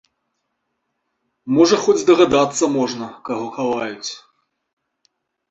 Можа хоць здагадацца можна, каго хаваюць.